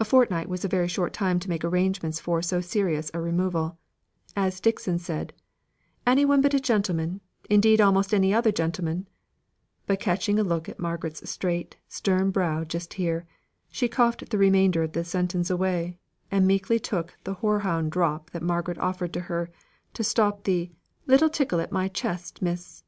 A fortnight was a very short time to make arrangements for so serious a removal; as Dixon said, "Anyone but a gentleman indeed almost any other gentleman " but catching a look at Margaret's straight, stern brow just here, she coughed the remainder of the sentence away, and meekly took the horehound drop that Margaret offered her, to stop the "little tickling at my chest, miss."